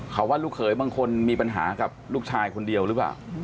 เขาว่าลูกเขยบางคนมีปัญหากับลูกชายคนเดียวหรือเปล่า